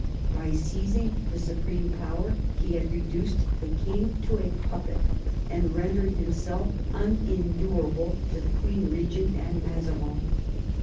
By seizing the supreme power he had reduced the king to a puppet, and rendered himself unendurable to the queen regent and Mazarin.